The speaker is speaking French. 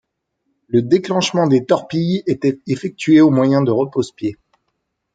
Le déclenchement des torpilles était effectué au moyen de repose-pieds.